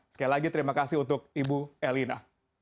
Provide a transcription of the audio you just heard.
sekali lagi terima kasih untuk ibu elina